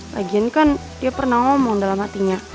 lagian kan dia pernah ngomong dalam hatinya